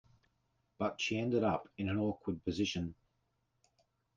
But she ended up in an awkward position.